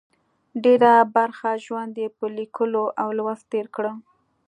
ډېره برخه ژوند یې په لیکلو او لوست تېر کړه.